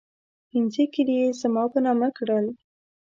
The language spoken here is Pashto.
پنځه کلي یې زما په نامه کړل.